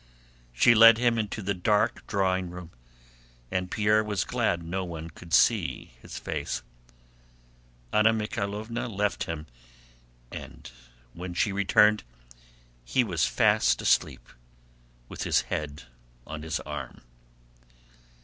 She led him into the dark drawing room and Pierre was glad no one could see his face. Anna Mikháylovna left him, and when she returned he was fast asleep with his head on his arm.